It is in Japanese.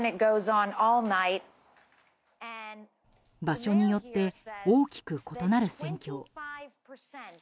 場所によって大きく異なる戦況。